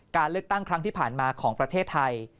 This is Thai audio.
การเลือกตั้งครั้งที่ผ่านมาของประเทศไทย